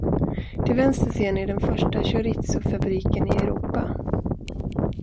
Till vänster ser ni den första chorizofabriken i Europa.